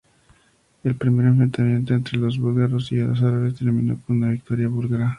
El primer enfrentamiento entre los búlgaros y los árabes terminó con una victoria búlgara.